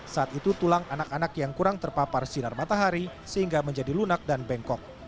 saat itu tulang anak anak yang kurang terpapar sinar matahari sehingga menjadi lunak dan bengkok